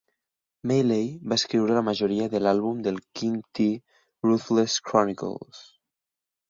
Maylay va escriure la majoria de l'àlbum del King T "Ruthless Chronicles".